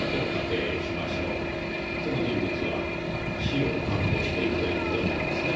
その人物は死を覚悟しているという事になりますね。